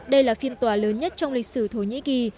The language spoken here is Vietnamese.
đây là phiên tòa lớn nhất trong lịch sử thổ nhĩ kỳ